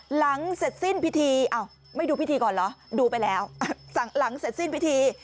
หลังเสร็จสิ้นพิธีอ้าวไม่ดูพิธีก่อนเหรอดูไปแล้วหลังเสร็จสิ้นพิธี